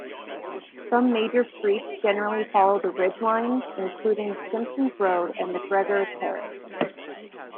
Some major streets generally follow the ridgelines, including Simpsons Road and Macgregor Terrace.